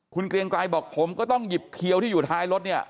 คุณเกรียงไกรบอกผมก็ต้องหยิบเขียวที่อยู่ท้ายรถเนี่ย